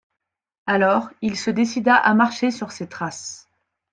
Alors il se décida à marcher sur ses traces.